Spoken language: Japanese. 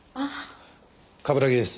冠城です。